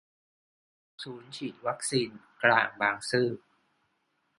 ศูนย์ฉีดวัคซีนกลางบางซื่อ